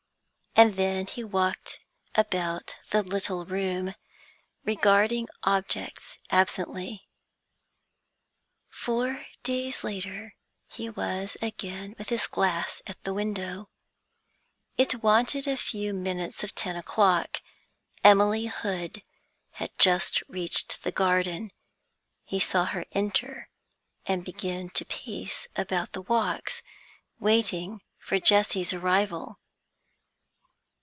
And then he walked about the little room, regarding objects absently. Four days later he was again with his glass at the window; it wanted a few minutes of ten o'clock. Emily Hood had just reached the garden; he saw her enter and begin to pace about the walks, waiting for Jessie's arrival.